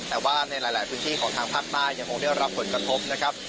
แต่ว่าในหลายพื้นที่ของทางภาคใต้ยังคงได้รับผลกระทบนะครับ